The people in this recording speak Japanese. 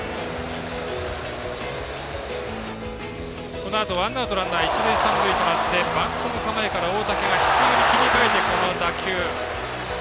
このあと、ワンアウトランナー、一塁三塁となってバントの構えから大竹がヒッティングに切り替えてこの打球。